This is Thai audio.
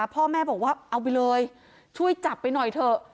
พ่อแม่บอกว่าเอาไปเลยช่วยจับไปหน่อยเถอะ